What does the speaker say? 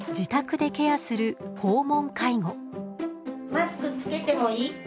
マスクつけてもいい？